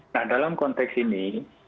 nah dalam konteks ini